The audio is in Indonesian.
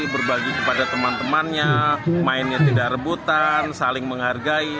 berbagi kepada teman temannya mainnya tidak rebutan saling menghargai